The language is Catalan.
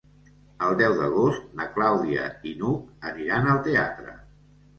El deu d'agost na Clàudia i n'Hug aniran al teatre.